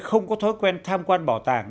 không có thói quen tham quan bảo tàng